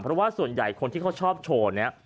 เพราะว่าส่วนใหญ่คนที่เขาชอบโชว์นี้